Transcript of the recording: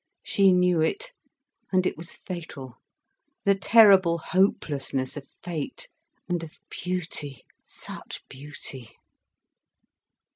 She knew it, and it was fatal. The terrible hopelessness of fate, and of beauty, such beauty!